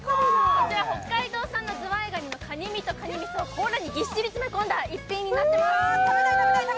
こちら、北海道産のズワイガニのかに身とかにみそを甲羅にぎっしり詰め込んだ一品となっています